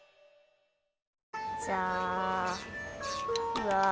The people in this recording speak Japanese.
うわ。